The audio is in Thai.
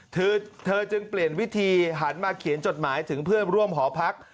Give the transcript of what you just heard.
เธอจึงเปลี่ยนวิธีหันมาเขียนจดหมายถึงเพื่อนร่วมหอพัก